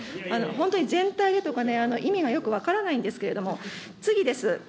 本当に全体でとかね、意味がよく分からないんですけれども、次です。